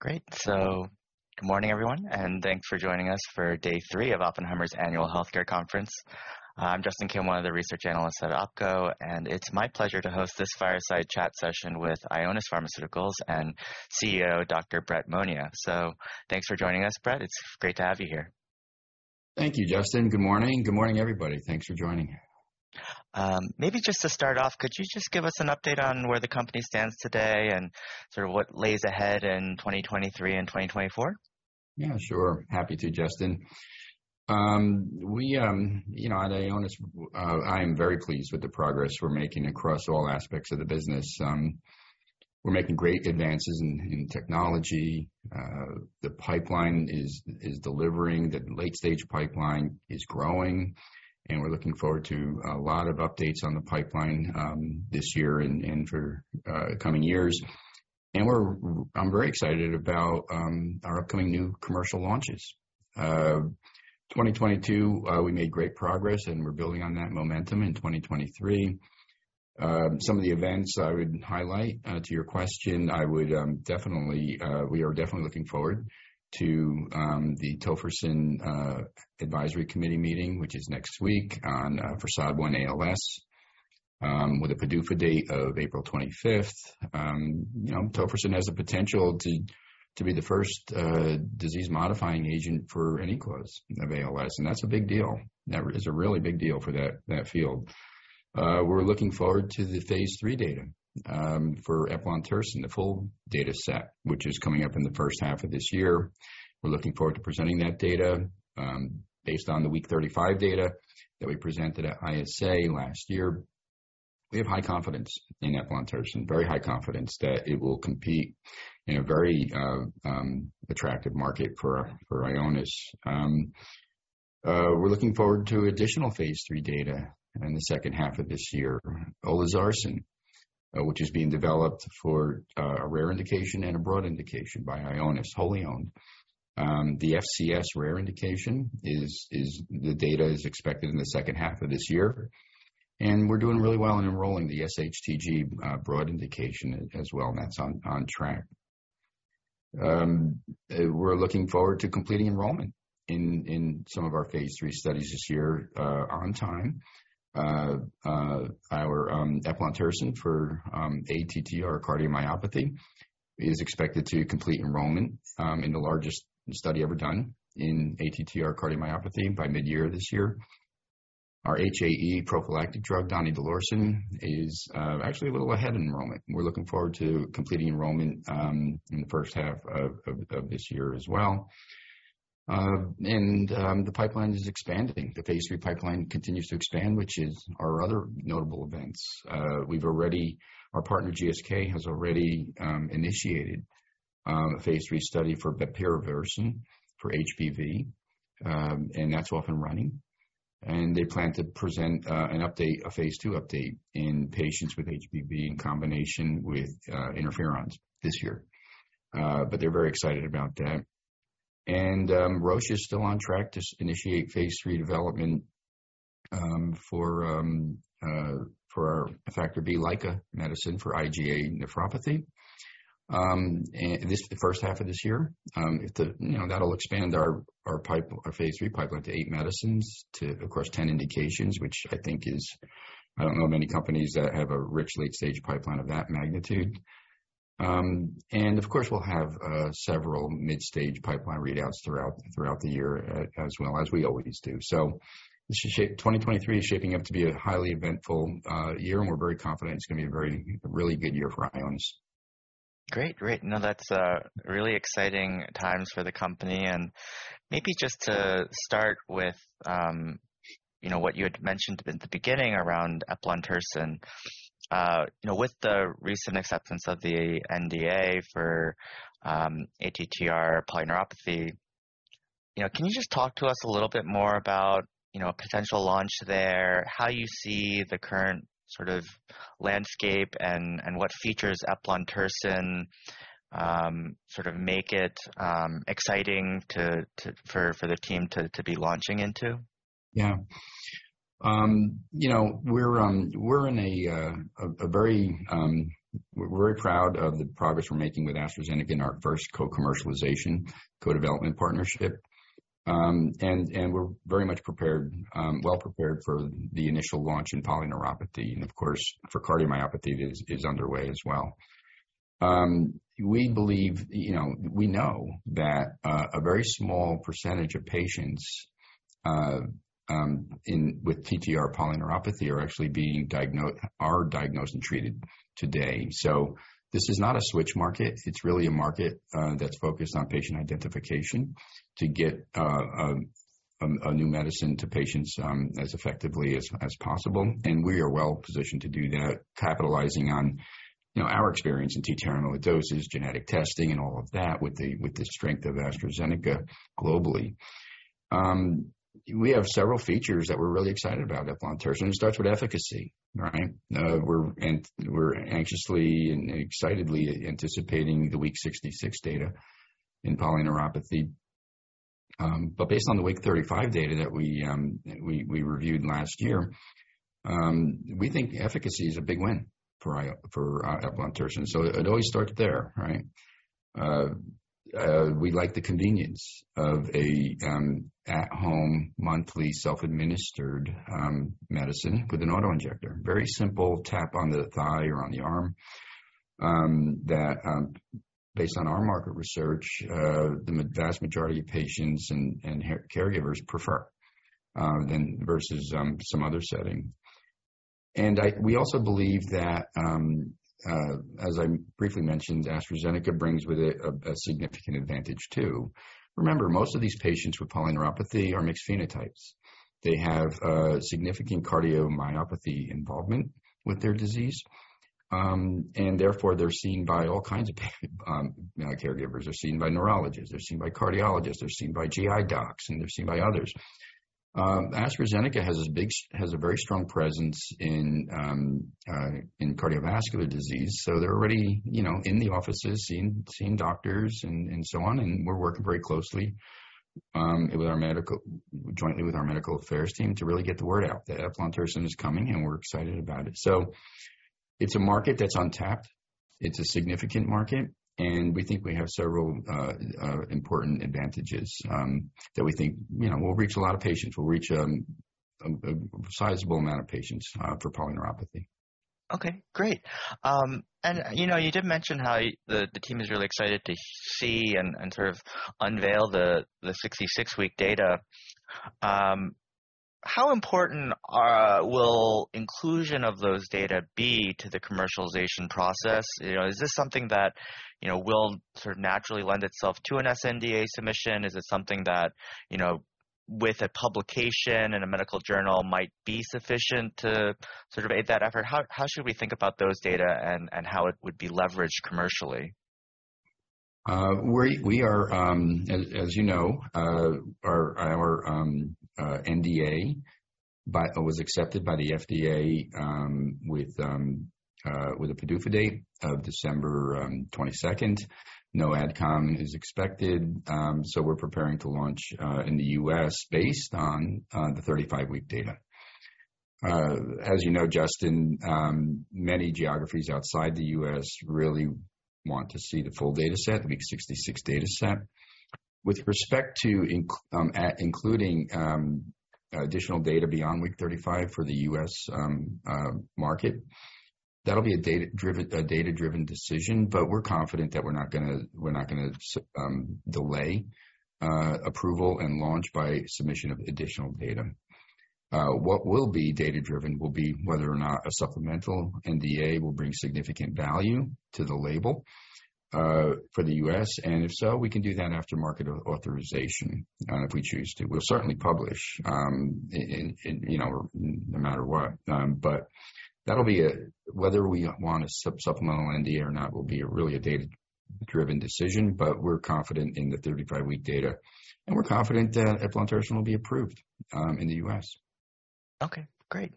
Good morning, everyone, and thanks for joining us for day three of Oppenheimer's Annual Healthcare Conference. I'm Justin Kim, one of the research analysts at OpCo, and it's my pleasure to host this fireside chat session with Ionis Pharmaceuticals and CEO, Dr. Brett Monia. Thanks for joining us, Brett. It's great to have you here. Thank you, Justin. Good morning. Good morning, everybody. Thanks for joining. Maybe just to start off, could you just give us an update on where the company stands today and sort of what lays ahead in 2023 and 2024? Yeah, sure. Happy to, Justin. We, you know, at Ionis, I am very pleased with the progress we're making across all aspects of the business. We're making great advances in technology. The pipeline is delivering. The late-stage pipeline is growing, and we're looking forward to a lot of updates on the pipeline this year and for coming years. I'm very excited about our upcoming new commercial launches. 2022, we made great progress, and we're building on that momentum in 2023. Some of the events I would highlight to your question, we are definitely looking forward to the tofersen advisory committee meeting, which is next week on for SOD1-ALS, with a PDUFA date of April 25th. You know, tofersen has the potential to be the first disease-modifying agent for any cause of ALS. That's a really big deal for that field. We're looking forward to the phase III data for eplontersen, the full dataset which is coming up in the first half of this year. We're looking forward to presenting that data based on the week 35 data that we presented at ISA last year. We have high confidence in eplontersen, very high confidence that it will compete in a very attractive market for Ionis. We're looking forward to additional phase III data in the second half of this year. Olezarsen, which is being developed for a rare indication and a broad indication by Ionis, wholly owned. The FCS rare indication is the data is expected in the second half of this year. We're doing really well in enrolling the sHTG broad indication as well, and that's on track. We're looking forward to completing enrollment in some of our phase III studies this year on time. Our eplontersen for ATTR cardiomyopathy is expected to complete enrollment in the largest study ever done in ATTR cardiomyopathy by mid-year this year. Our HAE prophylactic drug, donidalorsen, is actually a little ahead in enrollment. We're looking forward to completing enrollment in the first half of this year as well. The pipeline is expanding. The phase III pipeline continues to expand, which is our other notable events. We've already Our partner, GSK, has already initiated a phase III study for bepirovirsen, for HBV, and that's off and running. They plan to present an update, a phase II update in patients with HBV in combination with interferons this year. They're very excited about that. Roche is still on track to initiate phase III development for our effective LICA medicine for IgA nephropathy in the first half of this year. If the, you know, that'll expand our phase III pipeline to eight medicines to, of course, 10 indications, which I think is, I don't know many companies that have a rich late-stage pipeline of that magnitude. Of course, we'll have several mid-stage pipeline readouts throughout the year as well as we always do. This is 2023 is shaping up to be a highly eventful year, and we're very confident it's gonna be a very, really good year for Ionis. Great. Great. No, that's really exciting times for the company. Maybe just to start with, you know, what you had mentioned in the beginning around eplontersen. You know, with the recent acceptance of the NDA for ATTR polyneuropathy, you know, can you just talk to us a little bit more about, you know, potential launch there, how you see the current sort of landscape and, what features eplontersen sort of make it exciting to, for the team to be launching into? Yeah, you know, we're very proud of the progress we're making with AstraZeneca in our first co-commercialization, co-development partnership. We're very much prepared, well prepared for the initial launch in polyneuropathy and of course, for cardiomyopathy is underway as well. We believe, you know, we know that a very small percentage of patients with TTR polyneuropathy are actually diagnosed and treated today. This is not a switch market. It's really a market that's focused on patient identification to get a new medicine to patients as effectively as possible. We are well positioned to do that, capitalizing on, you know, our experience in TTR amyloidosis, genetic testing and all of that with the strength of AstraZeneca globally. We have several features that we're really excited about eplontersen, it starts with efficacy, right? We're anxiously and excitedly anticipating the week 66 data in polyneuropathy. Based on the week 35 data that we reviewed last year, we think efficacy is a big win for eplontersen. It always starts there, right? We like the convenience of a at-home monthly self-administered medicine with an autoinjector. Very simple tap on the thigh or on the arm, that based on our market research, the vast majority of patients and caregivers prefer than versus some other setting. We also believe that as I briefly mentioned, AstraZeneca brings with it a significant advantage too. Remember, most of these patients with polyneuropathy are mixed phenotypes. They have significant cardiomyopathy involvement with their disease, they're seen by all kinds of caregivers. They're seen by neurologists, they're seen by cardiologists, they're seen by GI docs, and they're seen by others. AstraZeneca has a very strong presence in cardiovascular disease, they're already, you know, in the offices seeing doctors and so on. We're working very closely jointly with our medical affairs team to really get the word out that eplontersen is coming, we're excited about it. It's a market that's untapped. It's a significant market, we think we have several important advantages that we think, you know, will reach a lot of patients, will reach a sizable amount of patients for polyneuropathy. Okay, great. you know, you did mention how the team is really excited to see and sort of unveil the 66-week data. How important will inclusion of those data be to the commercialization process? You know, is this something that, you know, will sort of naturally lend itself to an sNDA submission? Is it something that, you know, with a publication in a medical journal might be sufficient to sort of aid that effort? How should we think about those data and how it would be leveraged commercially? We are, as you know, our NDA was accepted by the FDA with a PDUFA date of December 22nd. No AdCom is expected. We're preparing to launch in the U.S. based on the 35-week data. As you know, Justin Kim, many geographies outside the U.S. really want to see the full data set, the week 66 data set. With respect to including additional data beyond week 35 for the U.S. market, that'll be a data-driven decision, but we're confident that we're not going to delay approval and launch by submission of additional data. What will be data-driven will be whether or not a supplemental NDA will bring significant value to the label, for the U.S. and if so, we can do that after market authorization, if we choose to. We'll certainly publish, in, you know, no matter what. That'll be whether we want a supplemental NDA or not will be really a data-driven decision, but we're confident in the 35 week data, and we're confident that eplontersen will be approved, in the U.S. Okay, great.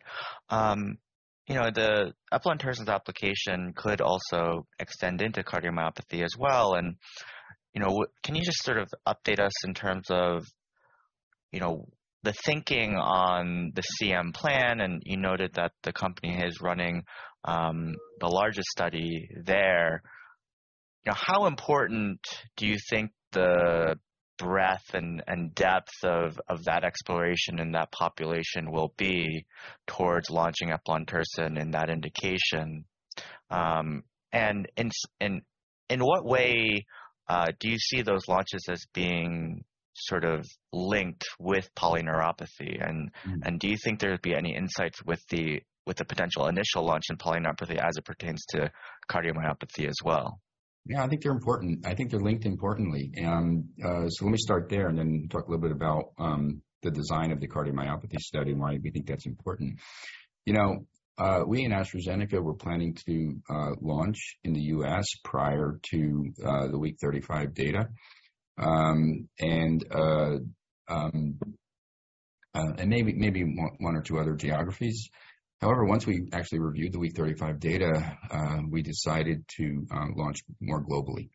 You know, the eplontersen's application could also extend into cardiomyopathy as well. You know, can you just sort of update us in terms of, you know, the thinking on the CM plan? You noted that the company is running, the largest study there. You know, how important do you think the breadth and depth of that exploration in that population will be towards launching eplontersen in that indication? In what way, do you see those launches as being sort of linked with polyneuropathy. Mm-hmm. Do you think there would be any insights with the potential initial launch in polyneuropathy as it pertains to cardiomyopathy as well? Yeah, I think they're important. I think they're linked importantly. Let me start there and then talk a little bit about the design of the cardiomyopathy study and why we think that's important. You know, we and AstraZeneca were planning to launch in the U.S. prior to the week 35 data. Maybe one or two other geographies. However, once we actually reviewed the week 35 data, we decided to launch more globally.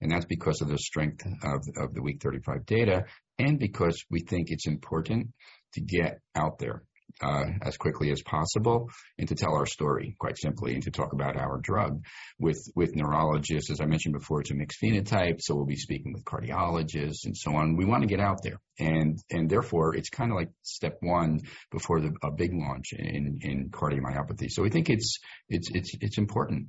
That's because of the strength of the week 35 data and because we think it's important to get out there as quickly as possible and to tell our story quite simply, and to talk about our drug with neurologists. As I mentioned before, it's a mixed phenotype, so we'll be speaking with cardiologists and so on. We want to get out there. Therefore it's kind of like step one before a big launch in cardiomyopathy. We think it's important.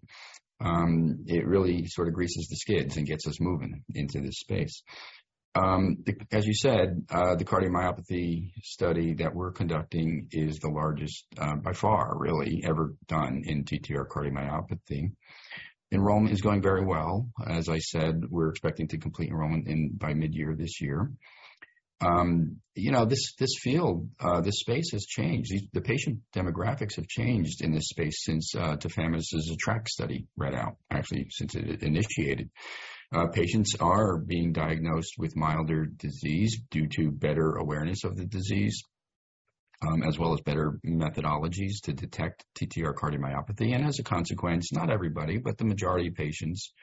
It really sort of greases the skids and gets us moving into this space. As you said, the cardiomyopathy study that we're conducting is the largest by far, really, ever done in TTR cardiomyopathy. Enrollment is going very well. As I said, we're expecting to complete enrollment in by mid-year this year. You know, this field, this space has changed. The patient demographics have changed in this space since tafamidis' ATTR-ACT study read out. Actually, since it initiated. Patients are being diagnosed with milder disease due to better awareness of the disease. As well as better methodologies to detect TTR cardiomyopathy. As a consequence, not everybody, but the majority of patients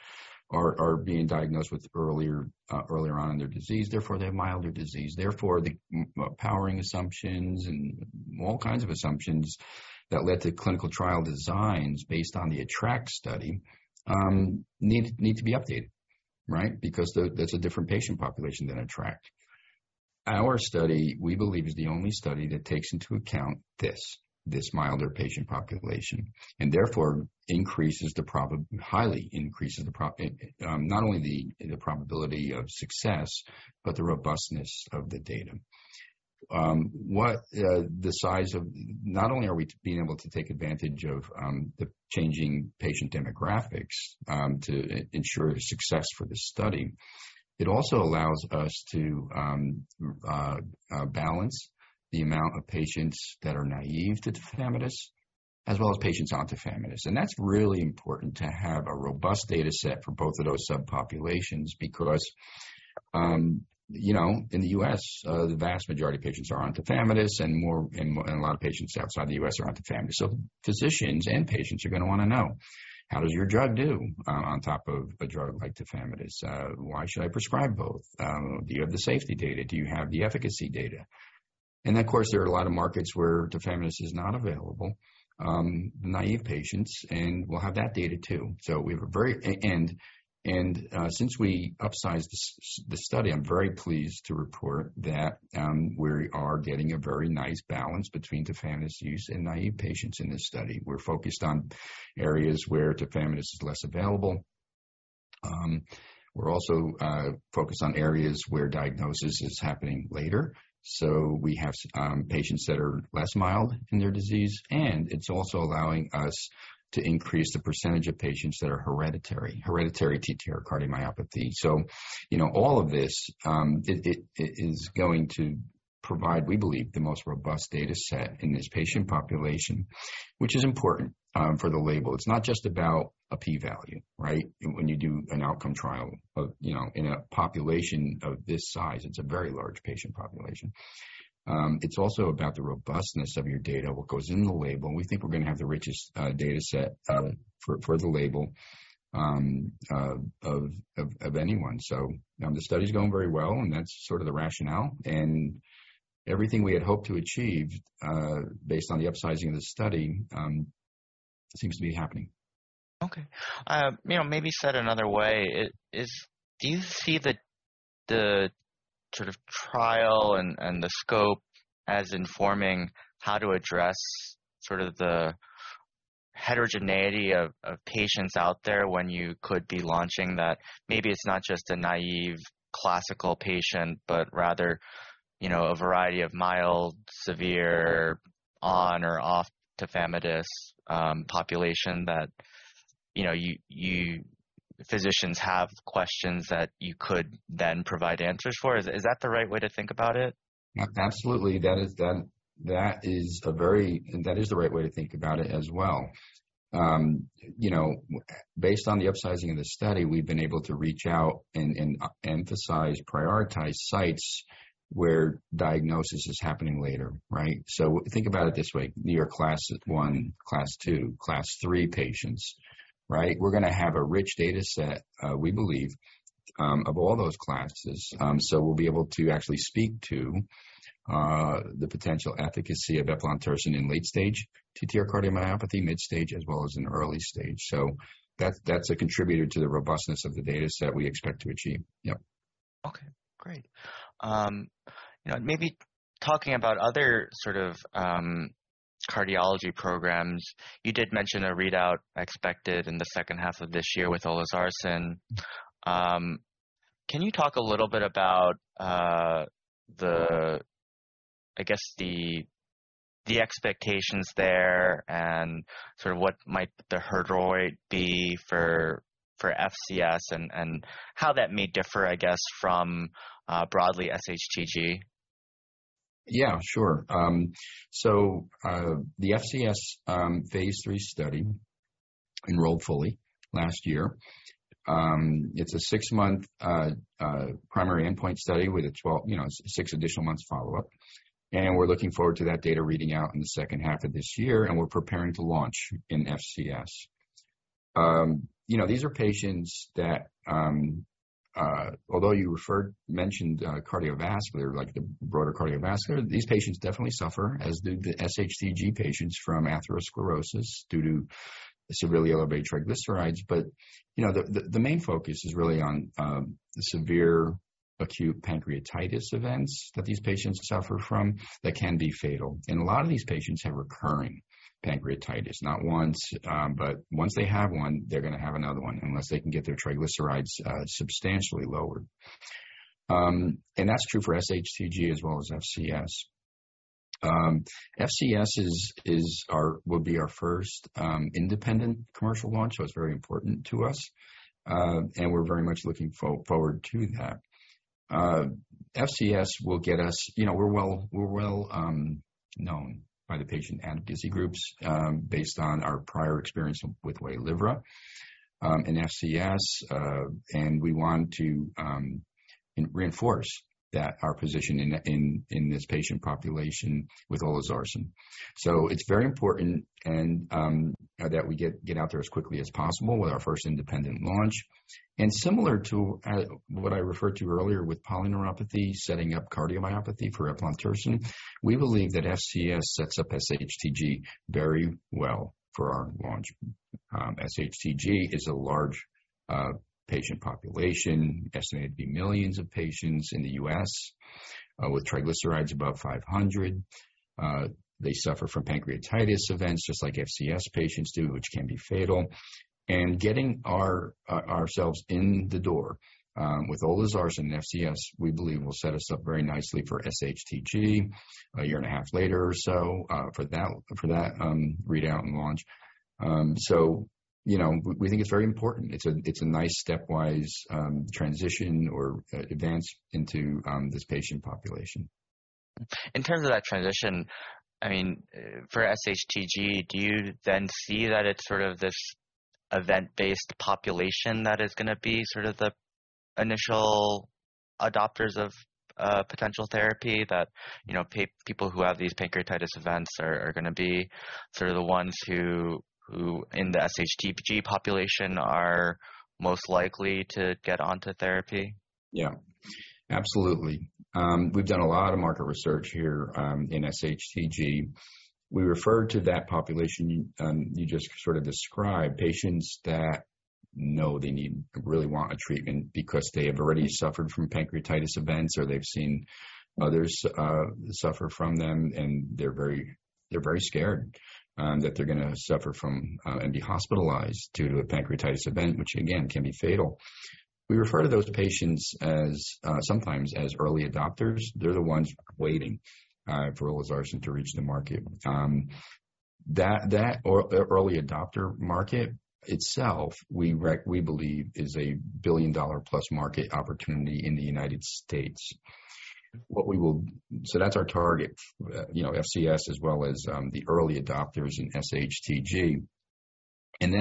are being diagnosed with earlier on in their disease, therefore they have milder disease. Therefore, the empowering assumptions and all kinds of assumptions that led to clinical trial designs based on the ATTR-ACT study, need to be updated, right? That's a different patient population than ATTR-ACT. Our study, we believe, is the only study that takes into account this milder patient population and therefore increases the highly increases the not only the probability of success, but the robustness of the data. What, the size of. Not only are we being able to take advantage of the changing patient demographics to ensure success for this study, it also allows us to balance the amount of patients that are naive to tafamidis as well as patients on tafamidis. That's really important to have a robust data set for both of those subpopulations because, you know, in the U.S., the vast majority of patients are on tafamidis, and a lot of patients outside the U.S. are on tafamidis. Physicians and patients are going to want to know, how does your drug do on top of a drug like tafamidis? Why should I prescribe both? Do you have the safety data? Do you have the efficacy data? And of course, there are a lot of markets where tafamidis is not available. Naive patients, and we'll have that data too. Since we upsized the study, I'm very pleased to report that we are getting a very nice balance between tafamidis use in naive patients in this study. We're focused on areas where tafamidis is less available. We're also focused on areas where diagnosis is happening later. We have patients that are less mild in their disease, and it's also allowing us to increase the percentage of patients that are hereditary TTR cardiomyopathy. You know, all of this, it is going to provide, we believe, the most robust data set in this patient population, which is important for the label. It's not just about a P-value, right? When you do an outcome trial of, you know, in a population of this size, it's a very large patient population. It's also about the robustness of your data, what goes in the label, and we think we're going to have the richest data set for the label of anyone. The study's going very well, and that's sort of the rationale. Everything we had hoped to achieve, based on the upsizing of the study, seems to be happening. Okay. you know, maybe said another way, is, do you see the sort of trial and the scope as informing how to address the heterogeneity of patients out there when you could be launching that maybe it's not just a naive classical patient, but rather, you know, a variety of mild, severe on or off tafamidis, population that, you know, you physicians have questions that you could then provide answers for? Is that the right way to think about it? Absolutely. That is, that is the right way to think about it as well. you know, based on the upsizing of the study, we've been able to reach out and emphasize prioritize sites where diagnosis is happening later, right? Think about it this way. Your Class I, Class II, Class III patients, right? We're going to have a rich data set, we believe, of all those classes. We'll be able to actually speak to the potential efficacy of eplontersen in late-stage TTR cardiomyopathy, mid-stage, as well as in early stage. That's a contributor to the robustness of the data set we expect to achieve. Yep. Okay, great. Maybe talking about other sort of cardiology programs. You did mention a readout expected in the second half of this year with olezarsen. Can you talk a little bit about the, I guess the expectations there and sort of what might the hurdle be for FCS and how that may differ, I guess, from broadly sHTG? Yeah, sure. The FCS phase III study enrolled fully last year. It's a six-month primary endpoint study with a 12, you know, six additional months follow-up. We're looking forward to that data reading out in the second half of this year, and we're preparing to launch in FCS. You know, these are patients that, although you mentioned cardiovascular, like the broader cardiovascular, these patients definitely suffer, as do the sHTG patients, from atherosclerosis due to severely elevated triglycerides. You know, the main focus is really on the severe acute pancreatitis events that these patients suffer from that can be fatal. A lot of these patients have recurring pancreatitis. Not once they have one, they're going to have another one unless they can get their triglycerides substantially lowered. That's true for sHTG as well as FCS. FCS will be our first independent commercial launch, so it's very important to us, and we're very much looking forward to that. FCS will get us. You know, we're well known by the patient and disease groups, based on our prior experience with Waylivra, and FCS. We want to reinforce that our position in this patient population with olezarsen. It's very important and that we get out there as quickly as possible with our first independent launch. Similar to what I referred to earlier with polyneuropathy, setting up cardiomyopathy for eplontersen, we believe that FCS sets up sHTG very well for our launch. sHTG is a large patient population, estimated to be millions of patients in the U.S., with triglycerides above 500. They suffer from pancreatitis events just like FCS patients do, which can be fatal. Getting ourselves in the door with olezarsen and FCS, we believe will set us up very nicely for sHTG a year and a half later or so, for that readout and launch. You know, we think it's very important. It's a nice stepwise transition or advance into this patient population. In terms of that transition, I mean, for sHTG, do you then see that it's sort of this event-based population that is going to be sort of the initial adopters of potential therapy that, you know, people who have these pancreatitis events are going to be sort of the ones who in the sHTG population are most likely to get onto therapy? Yeah, absolutely. We've done a lot of market research here in sHTG. We refer to that population, you just sort of described, patients that know they really want a treatment because they have already suffered from pancreatitis events, or they've seen others suffer from them, and they're very scared that they're going to suffer from and be hospitalized due to a pancreatitis event which again, can be fatal. We refer to those patients as sometimes as early adopters. They're the ones waiting for olezarsen to reach the market. That early adopter market itself, we believe is a billion-dollar-plus market opportunity in the United States. That's our target, you know, FCS as well as the early adopters in sHTG.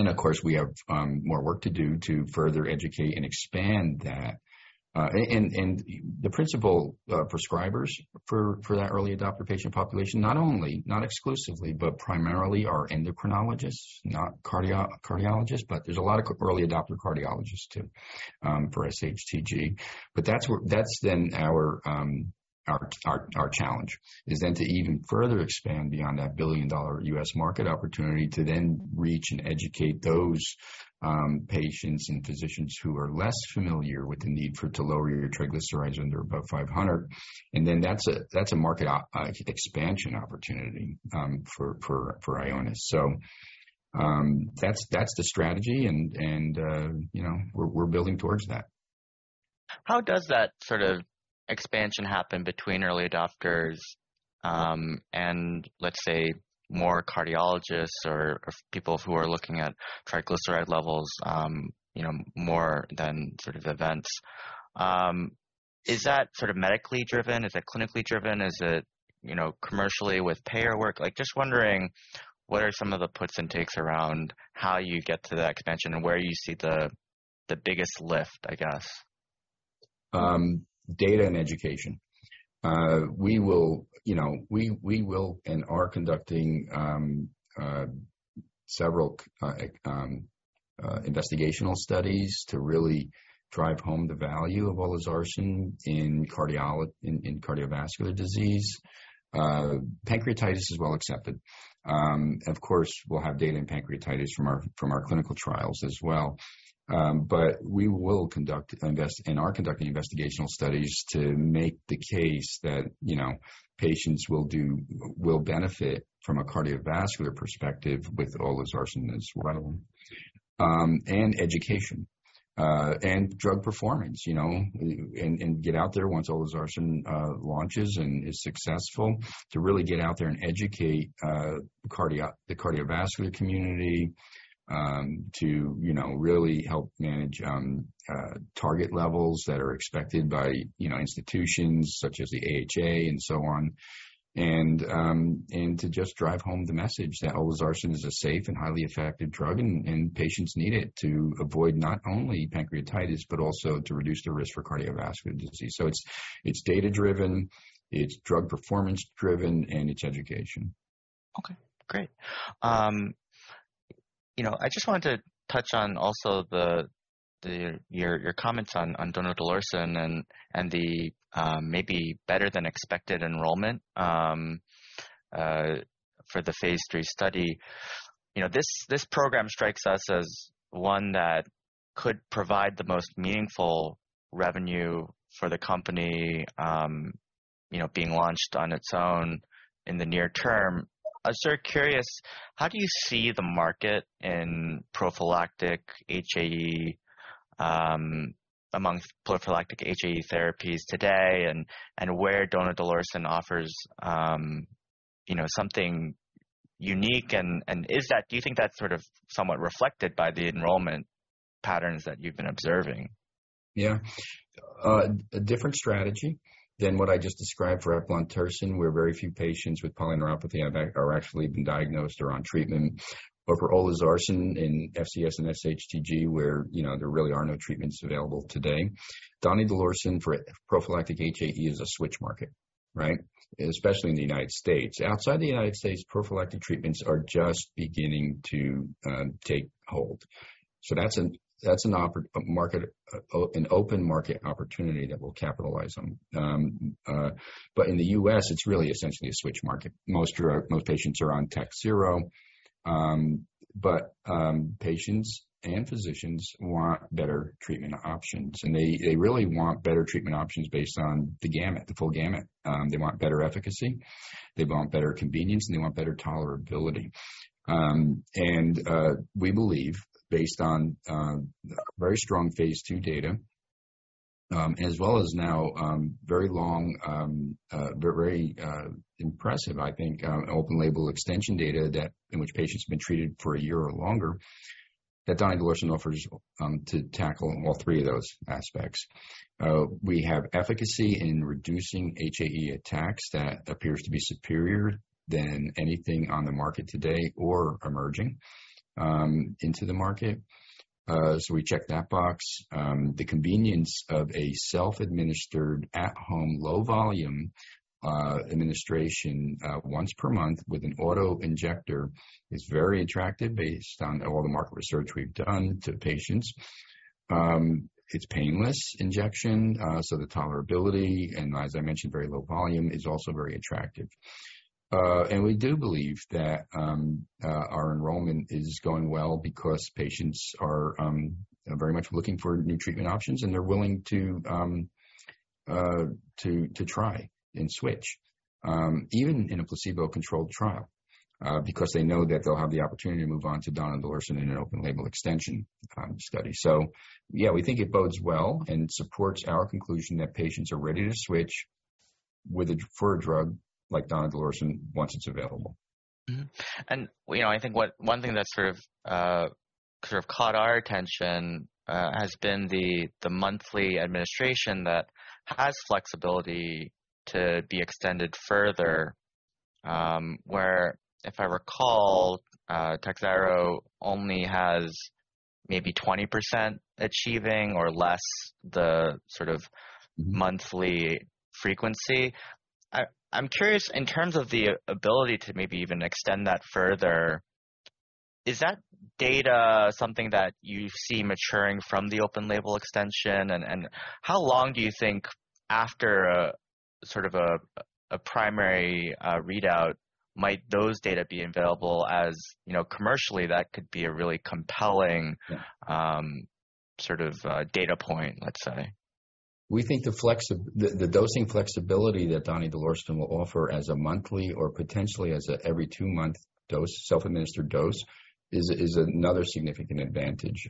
Of course, we have more work to do to further educate and expand that. The principal prescribers for that early adopter patient population, not only, not exclusively, but primarily are endocrinologists, not cardio-cardiologists, but there's a lot of early adopter cardiologists too for sHTG. That's then our challenge is then to even further expand beyond that billion-dollar U.S. market opportunity to then reach and educate those patients and physicians who are less familiar with the need to lower your triglycerides under about 500. That's a market expansion opportunity for Ionis. That's the strategy and, you know, we're building towards that. How does that sort of expansion happen between early adopters, and let's say more cardiologists or people who are looking at triglyceride levels, you know, more than sort of events? Is that sort of medically driven? Is it clinically driven? Is it, you know, commercially with payer work? Like, just wondering what are some of the puts and takes around how you get to that expansion and where you see the biggest lift, I guess. Data and education. We will, you know, we will and are conducting several investigational studies to really drive home the value of olezarsen in cardiovascular disease. Pancreatitis is well accepted. Of course, we'll have data in pancreatitis from our clinical trials as well. But we will conduct and are conducting investigational studies to make the case that, you know, patients will benefit from a cardiovascular perspective with olezarsen as well. And education and drug performance, you know, and get out there once olezarsen launches and is successful to really get out there and educate the cardiovascular community, to, you know, really help manage target levels that are expected by, you know, institutions such as the AHA and so on. To just drive home the message that olezarsen is a safe and highly effective drug and patients need it to avoid not only pancreatitis, but also to reduce their risk for cardiovascular disease. It's data-driven, it's drug performance-driven, and it's education. Okay, great. You know, I just wanted to touch on also your comments on donidalorsen and the maybe better than expected enrollment for the phase III study. You know, this program strikes us as one that could provide the most meaningful revenue for the company, you know, being launched on its own in the near term. I was sort of curious, how do you see the market in prophylactic HAE amongst prophylactic HAE therapies today and where donidalorsen offers, you know, something unique, and is that do you think that's sort of somewhat reflected by the enrollment patterns that you've been observing? Yeah. A different strategy than what I just described for eplontersen, where very few patients with polyneuropathy are actually been diagnosed or on treatment. For olezarsen in FCS and sHTG, where, you know, there really are no treatments available today. donidalorsen for prophylactic HAE is a switch market, right? Especially in the United States. Outside the United States, prophylactic treatments are just beginning to take hold. That's an open market opportunity that we'll capitalize on. In the U.S. it's really essentially a switch market. Most patients are on Takhzyro. Patients and physicians want better treatment options, and they really want better treatment options based on the gamut, the full gamut. They want better efficacy, they want better convenience, and they want better tolerability. We believe based on very strong phase II data, as well as now, very long, very impressive, I think, open label extension data in which patients have been treated for a year or longer, that donidalorsen offers to tackle all three of those aspects. We have efficacy in reducing HAE attacks that appears to be superior than anything on the market today or emerging into the market. We check that box. The convenience of a self-administered, at-home, low volume administration once per month with an autoinjector is very attractive based on all the market research we've done to patients. It's painless injection, so the tolerability and as I mentioned, very low volume is also very attractive. We do believe that our enrollment is going well because patients are very much looking for new treatment options and they're willing to try and switch even in a placebo-controlled trial because they know that they'll have the opportunity to move on to donidalorsen in an open label extension study. Yeah, we think it bodes well and supports our conclusion that patients are ready to switch for a drug like donidalorsen once it's available. You know, I think one thing that sort of caught our attention has been the monthly administration that has flexibility to be extended further. Where if I recall, Takhzyro only has maybe 20% achieving or less the sort of monthly frequency. I'm curious in terms of the ability to maybe even extend that further. Is that data something that you see maturing from the open label extension? And how long do you think after a sort of a primary readout might those data be available? As you know, commercially that could be a really compelling- Yeah. sort of, data point, let's say. We think the dosing flexibility that donidalorsen will offer as a monthly or potentially as a every two-month dose, self-administered dose is another significant advantage.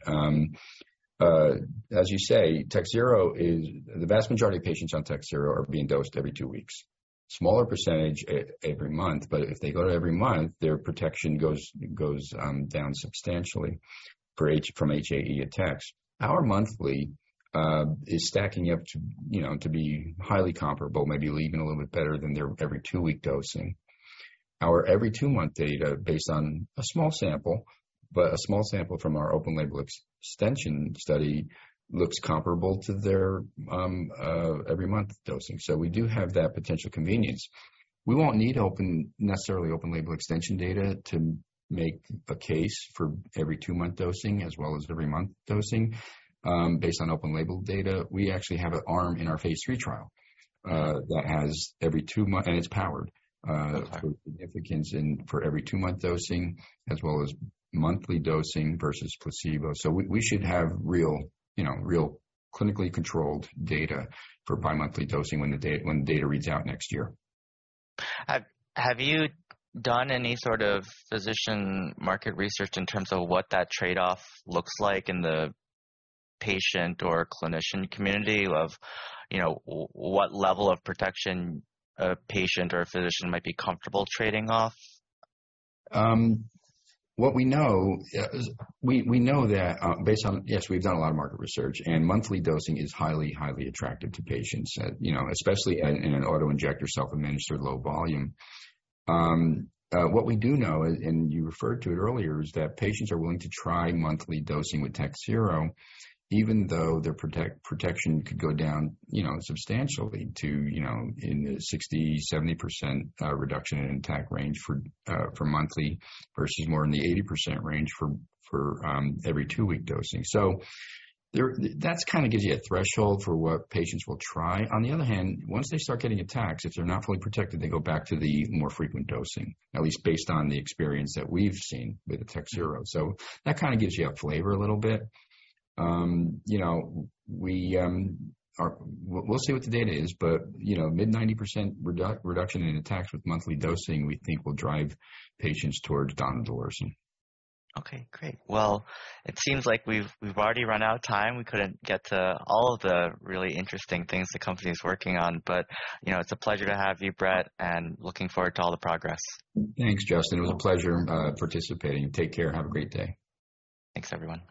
As you say, Takhzyro is. The vast majority of patients on Takhzyro are being dosed every two weeks. Smaller percentage every month, but if they go to every month, their protection goes down substantially from HAE attacks. Our monthly is stacking up to, you know, to be highly comparable, maybe even a little bit better than their every two-week dosing. Our every two-month data, based on a small sample, but a small sample from our open label extension study looks comparable to their every month dosing. We do have that potential convenience. We won't need necessarily open label extension data to make a case for every two-month dosing as well as every month dosing, based on open label data. We actually have an arm in our phase three trial that has every two month and it's powered. Okay. For significance for every two-month dosing as well as monthly dosing versus placebo. We should have real, you know, real clinically controlled data for bi-monthly dosing when the data reads out next year. Have you done any sort of physician market research in terms of what that trade-off looks like in the patient or clinician community of, you know, what level of protection a patient or a physician might be comfortable trading off? What we know is we know that. Yes, we've done a lot of market research and monthly dosing is highly attractive to patients, you know, especially in an autoinjector, self-administered low volume. What we do know, and you referred to it earlier, is that patients are willing to try monthly dosing with Takhzyro, even though their protection could go down, you know, substantially to, you know, in the 60%-70% reduction in attack range for monthly versus more in the 80% range for every two-week dosing. That kind of gives you a threshold for what patients will try. On the other hand, once they start getting attacks, if they're not fully protected, they go back to the more frequent dosing, at least based on the experience that we've seen with Takhzyro. That kind of gives you a flavor a little bit. You know, we'll see what the data is, but you know, mid-90% reduction in attacks with monthly dosing, we think will drive patients towards donidalorsen. Okay, great. Well, it seems like we've already run out of time. We couldn't get to all of the really interesting things the company is working on. you know, it's a pleasure to have you, Brett, and looking forward to all the progress. Thanks, Justin. Yeah. It was a pleasure, participating. Take care. Have a great day. Thanks, everyone.